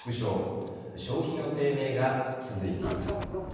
消費の低迷が続いています。